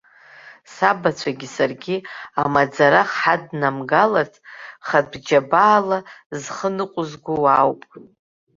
Сабацәагьы саргьы амаӡарах ҳаднамгалац, хатәџьабаала зхы ныҟәызго уаауп.